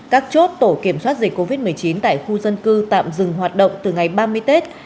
các chốt tổ kiểm soát dịch covid một mươi chín tại khu dân cư tạm dừng hoạt động từ ngày ba mươi tết